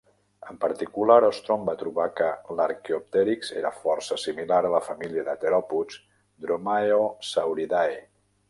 En particular, Ostrom va trobar que l'"Arqueoptèrix" era força similar a la família de teròpods Dromaeosauridae.